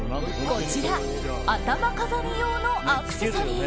こちら頭飾り用のアクセサリー。